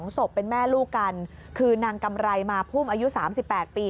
๒ศพเป็นแม่ลูกกันคือนางกำไรมาพุ่มอายุ๓๘ปี